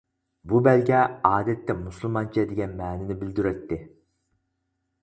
بۇ بەلگە ئادەتتە مۇسۇلمانچە دېگەن مەنىنى بىلدۈرەتتى.